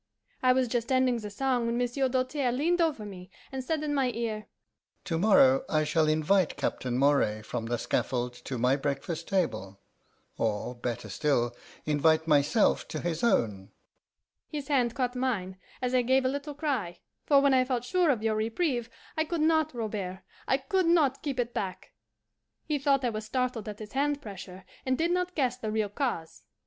I was just ending the song when Monsieur Doltaire leaned over me, and said in my ear, 'To morrow I shall invite Captain Moray from the scaffold to my breakfast table or, better still, invite myself to his own.' His hand caught mine, as I gave a little cry; for when I felt sure of your reprieve, I could not, Robert, I could not keep it back. He thought I was startled at his hand pressure, and did not guess the real cause.